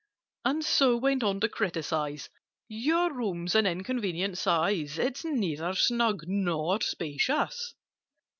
And so went on to criticise— "Your room's an inconvenient size: It's neither snug nor spacious.